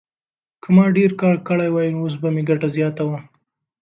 که ما ډېر کار کړی وای نو اوس به مې ګټه زیاته وه.